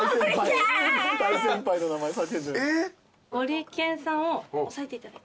ゴリケンさんを押さえていただいて。